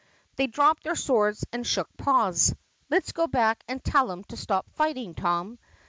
They dropped their swords and shook paws. "Let 's go back and tell 'em to stop fighting, Tom."